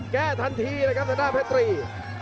แก้ทันทีเลยครับสน้าเพศตรี